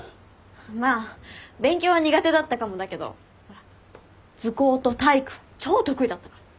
まあ勉強は苦手だったかもだけど図工と体育超得意だったから。